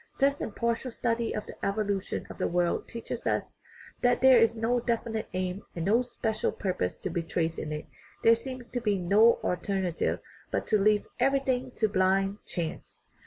Since impartial study of the evolution of the world teaches us that there is no definite aim and no special purpose to be traced in it, there seems to be no alterna tive but to leave everything to " blind chance."